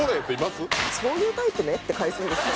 「そういうタイプね」って返すんですけど。